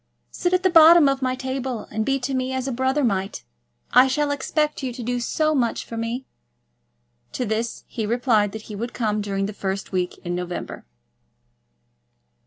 Sit at the bottom of my table, and be to me as a brother might. I shall expect you to do so much for me." To this he had replied that he would come during the first week in November.